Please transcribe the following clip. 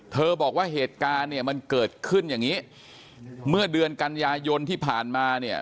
บอกว่าเหตุการณ์เนี่ยมันเกิดขึ้นอย่างนี้เมื่อเดือนกันยายนที่ผ่านมาเนี่ย